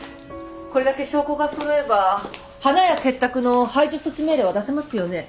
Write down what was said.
これだけ証拠が揃えば花屋結託の排除措置命令は出せますよね。